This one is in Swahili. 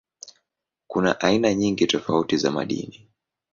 Kuna aina nyingi tofauti za madini.